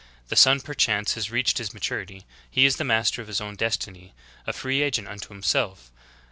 The son, perchance, has reached his maturity; he is the master of his own destiny; a free agent unto himself.